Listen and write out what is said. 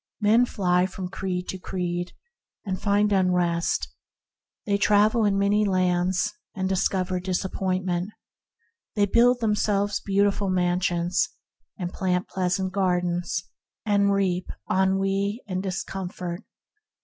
Men fly from creed to creed, and find — unrest; they travel in many lands, and discover — disappointment; they build them selves beautiful mansions and plant pleasant gardens, and reap — ennui and discomfort.